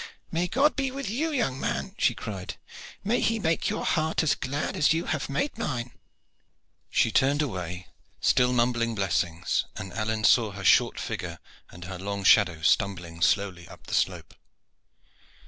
"May God be with you, young man!" she cried. "May He make your heart as glad as you have made mine!" She turned away, still mumbling blessings, and Alleyne saw her short figure and her long shadow stumbling slowly up the slope.